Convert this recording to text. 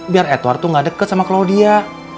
biar edward tuh gak deket sama claudia